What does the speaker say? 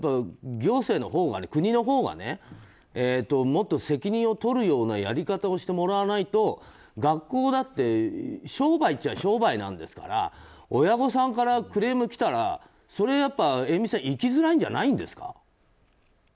行政のほう、国のほうがもっと責任を取るようなやり方をしてもらわないと学校だって商売っちゃ商売なんですから親御さんからクレーム来たらそれは遠見さんいきづらいんじゃないですか。